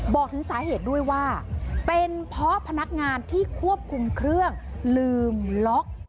บอกถึงสาเหตุด้วยว่าเป็นเพราะพนักงานที่ควบคุมเครื่องลืมล็อก